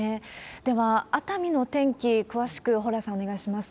では、熱海の天気、詳しく蓬莱さん、お願いします。